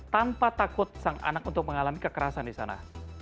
tanpa takut sang anak untuk mengalami kekerasan di sana